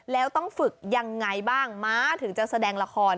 แล้วต้องฝึกยังไงบ้างม้าถึงจะแสดงละคร